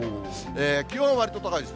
気温はわりと高いです。